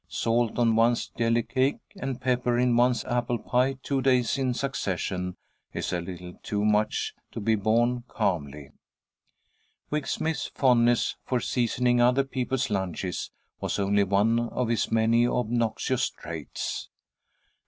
Salt on one's jelly cake and pepper in one's apple pie two days in succession is a little too much to be borne calmly. Wig Smith's fondness for seasoning other people's lunches was only one of his many obnoxious traits.